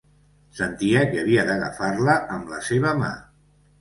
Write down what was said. Sentia que havia d'agafar-la amb la seva mà.